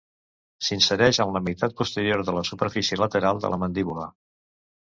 S'insereix en la meitat posterior de la superfície lateral de la mandíbula.